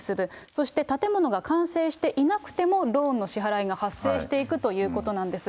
そして建物が完成していなくても、ローンの支払いが発生していくということなんです。